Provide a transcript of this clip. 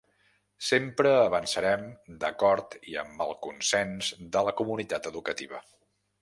Sempre avançarem d’acord i amb el consens de la comunitat educativa.